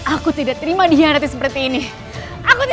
aku tidak terima dengan pengkhianatan ini